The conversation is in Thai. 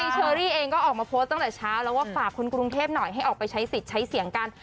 เชอรี่เองก็ออกมาโพสต์ตั้งแต่เช้าแล้วว่าฝากคนกรุงเทพหน่อยให้ออกไปใช้สิทธิ์ใช้เสียงกัน